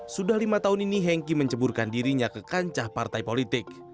sudah lima tahun ini hengki menceburkan dirinya ke kancah partai politik